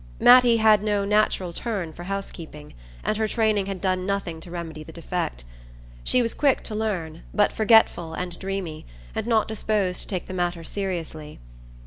Mattie had no natural turn for housekeeping, and her training had done nothing to remedy the defect. She was quick to learn, but forgetful and dreamy, and not disposed to take the matter seriously.